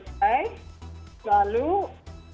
kesananya itu menjadi sangat